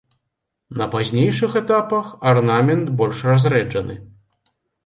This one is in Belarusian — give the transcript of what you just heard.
На пазнейшых этапах арнамент больш разрэджаны.